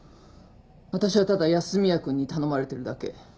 私はただ安洛くんに頼まれてるだけ。